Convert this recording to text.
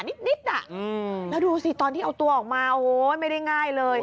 นิดน่ะแล้วดูสิตอนที่เอาตัวออกมาโอ้ยไม่ได้ง่ายเลย